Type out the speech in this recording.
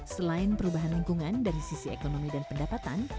selain perubahan lingkungan dari sisi ekonomi dan pendapatan